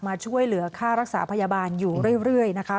มาช่วยเหลือค่ารักษาพยาบาลอยู่เรื่อยนะคะ